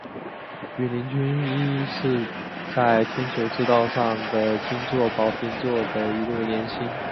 羽林军一是在天球赤道上的星座宝瓶座的一对联星。